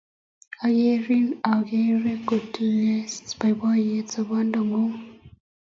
Akerin akere kotinye poipoyet sobennyu.